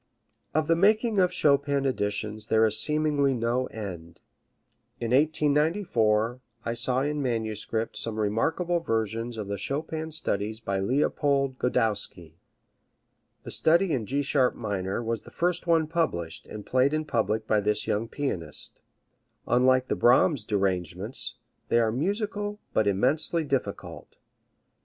Of the making of Chopin editions there is seemingly no end. In 1894 I saw in manuscript some remarkable versions of the Chopin Studies by Leopold Godowsky. The study in G sharp minor was the first one published and played in public by this young pianist Unlike the Brahms derangements, they are musical but immensely difficult.